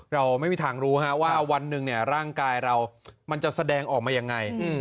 เราไม่มีทางรู้ว่าวันหนึ่งร่างกายเรามันจะแสดงออกมายังไง